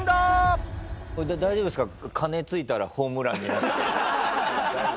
大丈夫ですか？